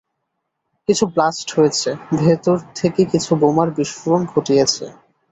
কিছু ব্লাস্ট হয়েছে, ভেতর থেকে কিছু বোমার বিস্ফোরণ ঘটিয়েছ।